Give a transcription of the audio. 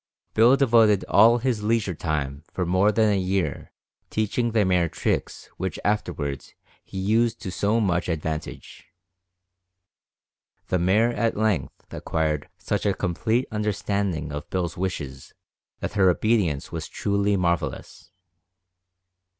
Bill devoted all his leisure time for more than a year teaching the mare tricks which afterwards he used to so much advantage. The mare at length acquired such a complete understanding of Bill's wishes that her obedience was truly marvelous.